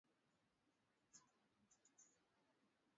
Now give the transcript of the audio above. kukubaliana na vyama vya upinzani kupitisha haraka muswada